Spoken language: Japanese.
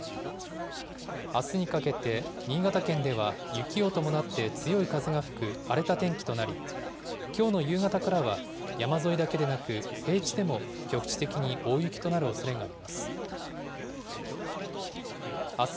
あすにかけて新潟県では、雪を伴って強い風が吹く荒れた天気となり、きょうの夕方からは、山沿いだけでなく、平地でも局地的に大雪となるおそれがあります。